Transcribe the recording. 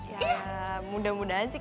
ya mudah mudahan sih